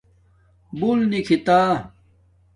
بُݸل نکھتݳ